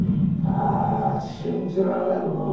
あ信じられんのう。